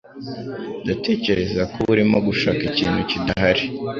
Ndatekereza ko urimo gushaka ikintu kidahari.